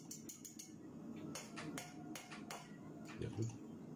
Goizaldean, zertxobait busti lezake, lurraldearen mendebaldean batez ere.